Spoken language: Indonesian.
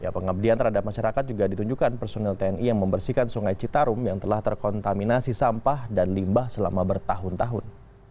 pengabdian terhadap masyarakat juga ditunjukkan personil tni yang membersihkan sungai citarum yang telah terkontaminasi sampah dan limbah selama bertahun tahun